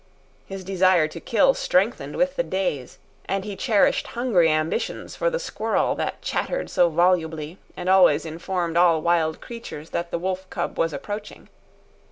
His desire to kill strengthened with the days, and he cherished hungry ambitions for the squirrel that chattered so volubly and always informed all wild creatures that the wolf cub was approaching.